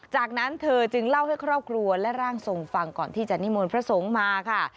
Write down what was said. จากนั้นเธอจึงเล่าให้ครอบครัวและร่างทรงฟังก่อนที่จะนิมนต์พระสงฆ์มาค่ะ